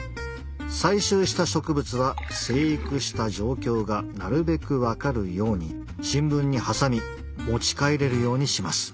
採集した植物は生育した状況がなるべく分かるように新聞に挟み持ち帰れるようにします。